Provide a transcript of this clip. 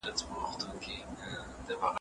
ځان پیژندنه د خدای پیژندنه ده.